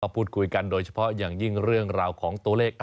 พูดคุยกันโดยเฉพาะอย่างยิ่งเรื่องราวของตัวเลข